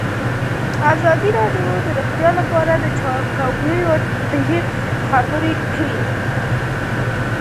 ازادي راډیو د روغتیا لپاره د چارواکو دریځ خپور کړی.